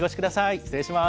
失礼します。